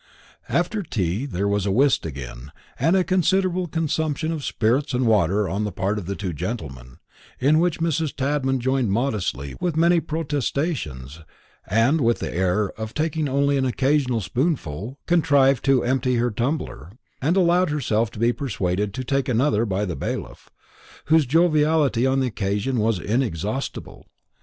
After tea there was whist again, and a considerable consumption of spirits and water on the part of the two gentlemen, in which Mrs. Tadman joined modestly, with many protestations, and, with the air of taking only an occasional spoonful, contrived to empty her tumbler, and allowed herself to be persuaded to take another by the bailiff, whose joviality on the occasion was inexhaustible.